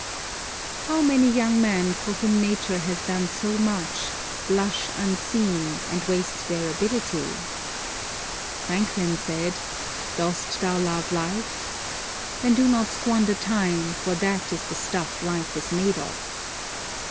How many young men for whom nature has done so much, "blush unseen," and waste their ability. Franklin said, "Dost thou love life? Then do not squander time, for that is the stuff life is made of."